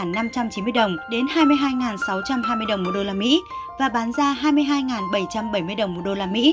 đô la mỹ tăng tỷ giá trung tâm năm đồng đến hai mươi hai sáu trăm hai mươi đồng một đô la mỹ và bán ra hai mươi hai bảy trăm bảy mươi đồng một đô la mỹ